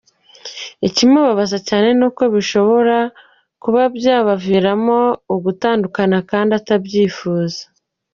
Ikimubabaza cyane nuko bishobora kuba byabaviramo ugutandukana kandi atabyifuza.